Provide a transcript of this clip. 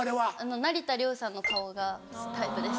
成田凌さんの顔がタイプです。